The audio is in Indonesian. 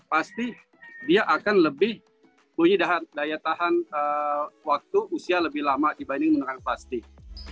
pasti dia akan lebih punya daya tahan waktu usia lebih lama dibanding menggunakan plastik